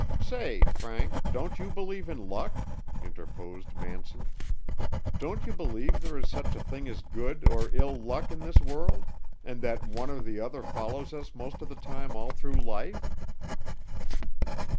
"Say, Frank, don't you believe in luck?" interposed Manson. "Don't you believe there is such a thing as good or ill luck in this world, and that one or the other follows us most of the time all through life?"